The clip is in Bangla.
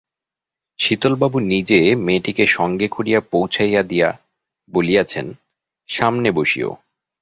শীতলবাবু নিজে মেয়েটিকে সঙ্গে করিয়া পৌছাইয়া দিয়া বলিয়াছেন, সামনে বসিও।